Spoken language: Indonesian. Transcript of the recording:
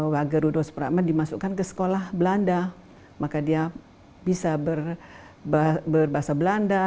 wage rudolf supratman dimasukkan ke sekolah belanda maka dia bisa berbahasa belanda